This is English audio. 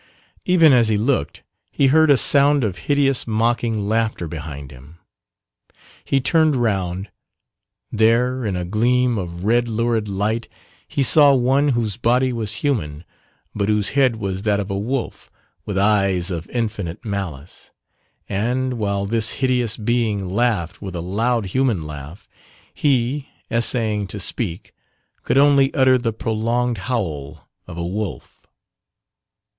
Even as he looked he heard a sound of hideous mocking laughter behind him. He turned round there, in a gleam of red lurid light, he saw one whose body was human, but whose head was that of a wolf, with eyes of infinite malice; and, while this hideous being laughed with a loud human laugh, he, essaying to speak, could only utter the prolonged howl of a wolf.